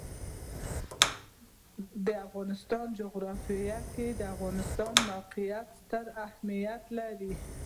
د افغانستان جغرافیه کې د افغانستان د موقعیت ستر اهمیت لري.